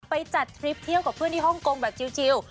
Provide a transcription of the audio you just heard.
ไปจัดทริปเที่ยวกับเพื่อนที่ฮ่องกงแบบจิล